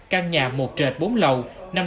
căn nhà một trệt bốn lầu